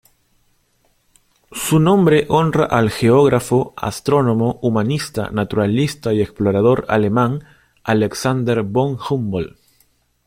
Su nombre honra al geógrafo, astrónomo, humanista, naturalista y explorador alemán Alexander von Humboldt.